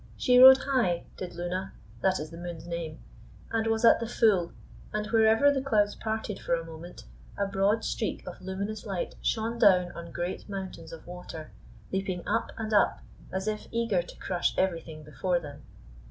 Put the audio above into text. She rode high, did Luna, that is the moon's name, and was at the full, and wherever the clouds parted for a moment, a broad streak of luminous light shone down on great mountains of water, leaping up and up, as if eager to crush everything before them.